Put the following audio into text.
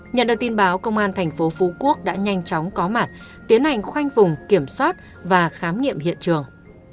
nhận được tin báo công an thành phố phú quốc đã nhanh chóng có mặt tiến hành khoanh vùng kiểm soát và khám nghiệm hiện trường